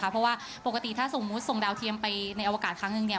เพราะว่าปกติถ้าสมมุติส่งดาวเทียมไปในอวกาศครั้งหนึ่ง